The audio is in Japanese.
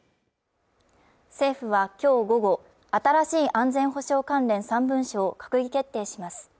政府はきょう午後新しい安全保障関連３文書を閣議決定します